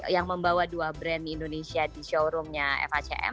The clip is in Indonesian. yang membawa dua brand indonesia di showroomnya facm